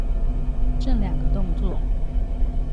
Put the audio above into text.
這兩個動作